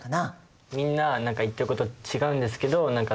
みんな何か言っていることが違うんですけど